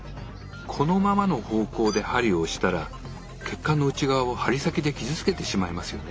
このままの方向で針を押したら血管の内側を針先で傷つけてしまいますよね。